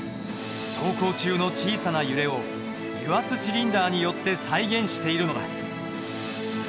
走行中の小さな揺れを油圧シリンダーによって再現しているのだ。